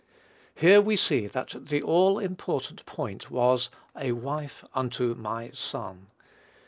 Here we see that the all important point was, "a wife unto my son."